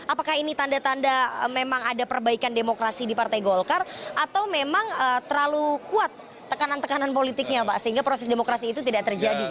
apakah ini tanda tanda memang ada perbaikan demokrasi di partai golkar atau memang terlalu kuat tekanan tekanan politiknya pak sehingga proses demokrasi itu tidak terjadi